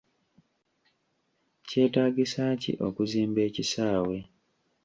Kyetaagisa ki okuzimba ekisaawe?